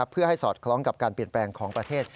เพื่อให้สอดคล้องกับการเปลี่ยนแปลงของประเทศ